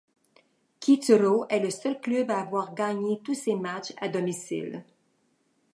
Kituro est le seul club à avoir gagné tous ses matchs à domicile.